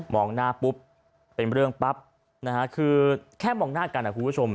หน้าปุ๊บเป็นเรื่องปั๊บนะฮะคือแค่มองหน้ากันนะคุณผู้ชม